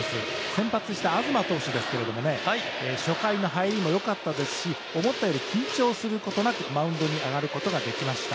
先発した東投手ですが初回の入りもよかったですし思ったより緊張することなくマウンドに上がることができました。